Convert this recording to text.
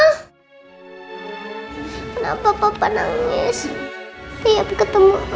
kenapa papa nangis tiap ketemu